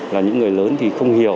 là những người lớn thì không hiểu